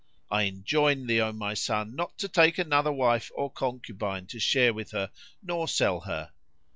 "I enjoin thee, O my son, not to take another wife or concubine to share with her, nor sell her."